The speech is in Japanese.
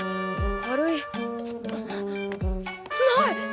軽いない！